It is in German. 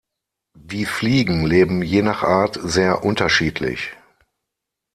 Die Fliegen leben je nach Art sehr unterschiedlich.